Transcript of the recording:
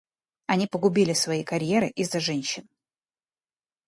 Они погубили свои карьеры из-за женщин.